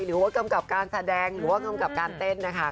หรือว่ากำกับการแสดงหรือว่ากำกับการเต้นนะคะ